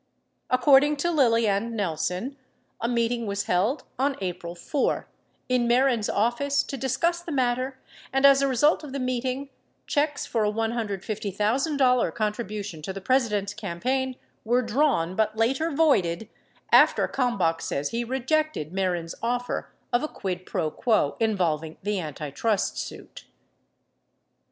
According to Lilly and Nelson, a meeting was held on April 4, in Mehren's office to discuss the matter and, as a result of the meeting, checks for a $150,000 contribution to the President's campaign were drawn but later voided, after Kalmbach says he rejected Mehren's offer of a quid pro quo involving the antitrust suit.